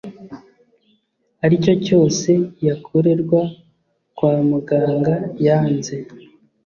aricyo cyose yakorerwa kwa muganga yanze